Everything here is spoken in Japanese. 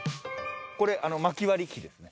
これ薪割り機ですね。